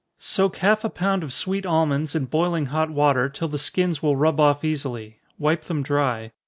_ Soak half a pound of sweet almonds in boiling hot water, till the skins will rub off easily wipe them dry.